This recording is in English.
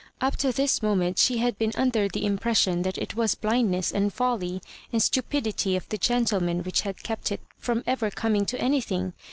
Up to this moment she had been under the im pres^iion that it was blindness, and folly, and stupidity of the Gentlemen which had kept it from ever coming to anything.